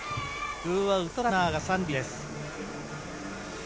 ツーアウト、ランナーが三塁です。